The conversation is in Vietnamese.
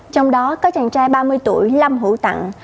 trong đó có chàng trai ba mươi tuổi lâm hữu tặng